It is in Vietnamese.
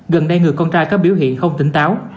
gần đây người con trai có biểu hiện không tỉnh táo